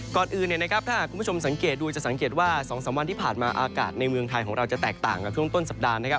ก่อนอื่นถ้าหากคุณผู้ชมสังเกตดูจะสังเกตว่า๒๓วันที่ผ่านมาอากาศในเมืองไทยของเราจะแตกต่างกับช่วงต้นสัปดาห์นะครับ